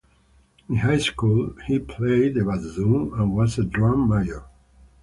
In high school, he played the bassoon and was a drum major.